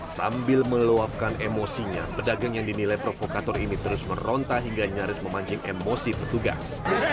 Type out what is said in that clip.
sambil meluapkan emosinya pedagang yang dinilai provokator ini terus meronta hingga nyaris memancing emosi petugas